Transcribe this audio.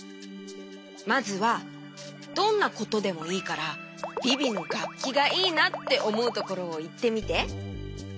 まずはどんなことでもいいからビビのがっきがいいなっておもうところをいってみて。